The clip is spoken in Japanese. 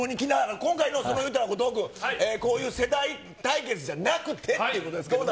今回のいうたら、後藤君、こういう世代対決じゃなくてっていうことですけども。